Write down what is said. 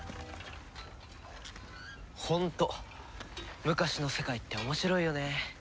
ホント昔の世界って面白いよね。